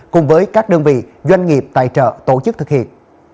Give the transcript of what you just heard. cùng với các đơn vị doanh nghiệp tài trợ tổ chức thực hiện